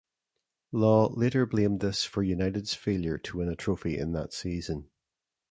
Law later blamed this for United's failure to win a trophy in that season.